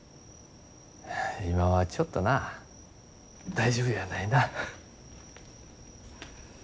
今はちょっとな大丈夫やないな。